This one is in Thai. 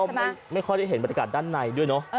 ก็ไม่ค่อยได้เห็นบรรยากาศด้านในด้วยเนอะ